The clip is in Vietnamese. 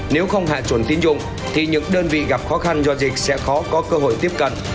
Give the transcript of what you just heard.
nếu không hạ chuẩn tín dụng thì những đơn vị gặp khó khăn do dịch sẽ khó có cơ hội tiếp cận